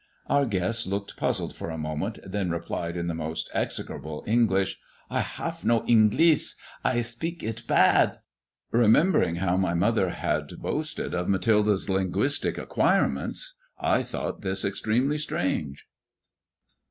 Our guest looked puzzled for a moment, then replied in )he most execrable English, I haf no Inglis — I speak it Dad/' Remembering how my mother had boasted of Mathilde's Linguistic acquirements I thought this extremely strange.